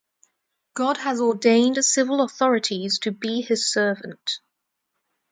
God has ordained civil authorities to be his servant.